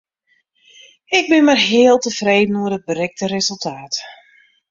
Ik bin mar heal tefreden oer it berikte resultaat.